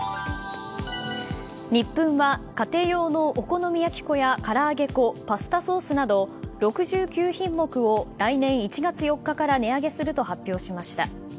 ニップンは家庭用のお好み焼き粉やから揚げ粉パスタソースなど６９品目を来年１月４日から値上げすると発表しました。